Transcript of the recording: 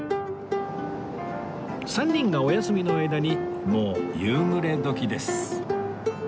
３人がお休みの間にもう夕暮れ時です